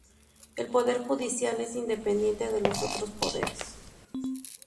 El poder judicial es independiente de los otros poderes.